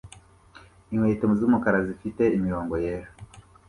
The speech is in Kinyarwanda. inkweto z'umukara zifite imirongo yera